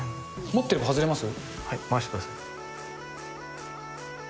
持ってると外れます？